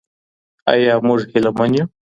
ايا موږ هيله من يو؟